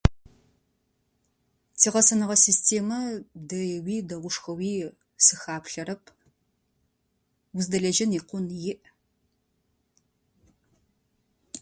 Ти гъэсэныгъэ системэ дэеуи, дэгъушхоуи сыхаплъэрэп. Уздэлэжьэн икъун иӏ.